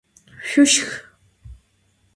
Şüşşx!